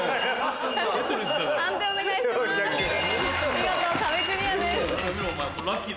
見事壁クリアです。